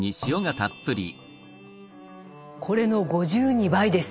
これの５２倍です！